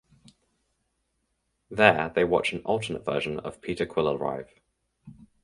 There they watch an alternate version of Peter Quill arrive.